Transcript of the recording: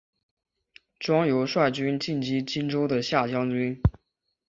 庄尤率军进击荆州的下江军。